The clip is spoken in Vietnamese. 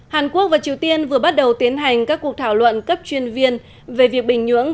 hàn quốc và triều tiên vừa bắt đầu tiến hành các cuộc thảo luận cấp chuyên viên về việc bình nhưỡng